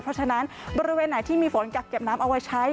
เพราะฉะนั้นบริเวณไหนที่มีฝนกักเก็บน้ำเอาไว้ใช้